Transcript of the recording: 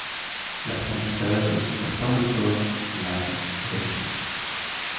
L’apprentissage doit se faire par le corps, l’âme et l’esprit.